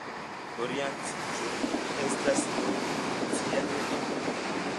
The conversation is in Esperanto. Orientiĝo estas nure tia elekto.